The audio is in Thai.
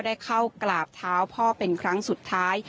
ได้เข้ากราบเท้าพ่อเป็นครั้งสุดท้าย